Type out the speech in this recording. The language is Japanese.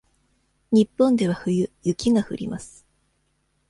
日本では冬雪が降ります。